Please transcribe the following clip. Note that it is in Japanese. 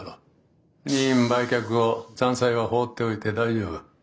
「任意売却後残債は放っておいて大丈夫。